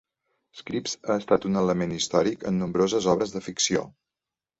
Scripps ha estat un element històric en nombroses obres de ficció.